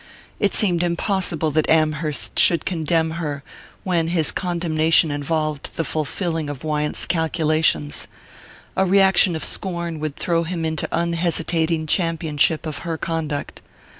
It seemed impossible that Amherst should condemn her when his condemnation involved the fulfilling of Wyant's calculations: a reaction of scorn would throw him into unhesitating championship of her conduct.